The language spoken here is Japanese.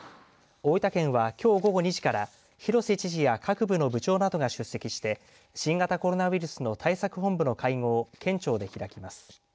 大分県は、きょう午後２時から広瀬知事や各部の部長などが出席して新型コロナウイルスの対策本部の会合を県庁で開きます。